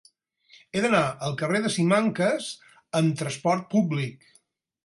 He d'anar al carrer de Simancas amb trasport públic.